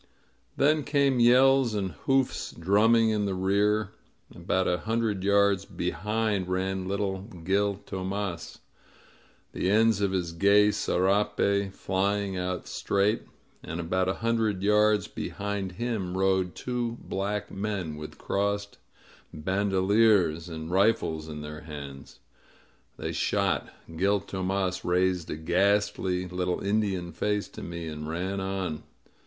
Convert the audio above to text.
Then came yells and hoofs drumming in the rear. About a hundred yards behind ran little Gil Tomas, the ends of his gay serape flying out straight. And about a hundred yards behind him rode two black men with crossed bandoliers and rifles in their hands. They shot. Gil Tomas raised a ghastly little Indian face to me, 88 MEESTER'S FLIGHT and ran on.